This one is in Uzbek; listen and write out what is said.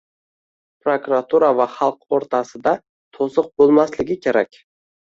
Prokuratura va xalq o‘rtasida to‘siq bo‘lmasligi kerak